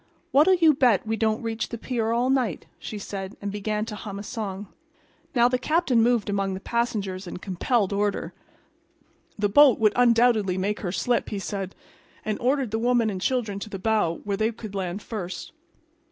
"What'll you bet we don't reach the pier all right?" she said and began to hum a song. And now the captain moved among the passengers and compelled order. The boat would undoubtedly make her slip, he said, and ordered the women and children to the bow, where they could land first.